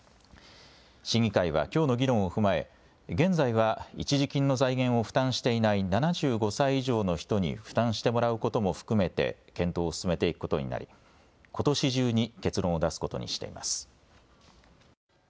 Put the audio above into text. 審議会はきょうの議論を踏まえ現在は一時金の財源を負担していない７５歳以上の人に負担してもらうことも含めて検討を進めていくことになりことし中に結論を出すことにしています。